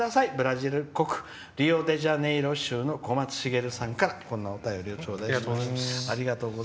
ブラジル国リオデジャネイロ州のこまつしげるさんからお便りを頂戴しました。